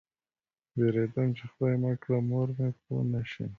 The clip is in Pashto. وېرېدم چې خدای مه کړه مور مې پوه نه شي.